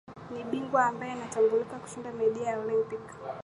ni bingwa ambae anatambulika kushinda medali ya olimpiki